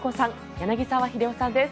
柳澤秀夫さんです。